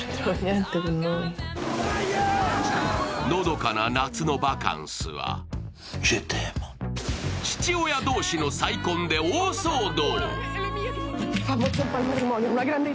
のどかな夏のバカンスは、父親同士の再婚で大騒動。